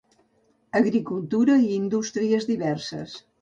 Agricultura i indústries diverses.